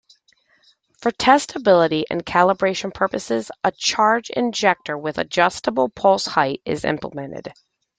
For testability and calibration purposes, a charge injector with adjustable pulse height is implemented.